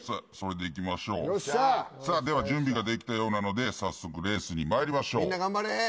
では、準備ができたようなので早速レースに参りましょう。